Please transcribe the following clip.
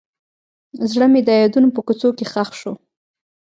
زړه مې د یادونو په کوڅو کې ښخ شو.